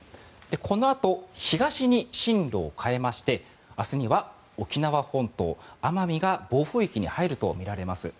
このあと、東に進路を変えまして明日には沖縄本島、奄美が暴風域に入るとみられます。